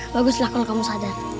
baguslah kalau kamu sadar